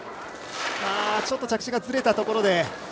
ちょっと着地がずれたところで。